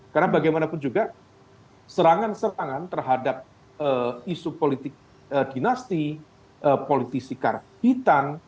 karena bagaimanapun juga serangan serangan terhadap isu politik dinasti politisi karabitan